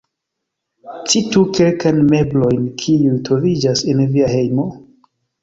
Citu kelkajn meblojn, kiuj troviĝas en via hejmo?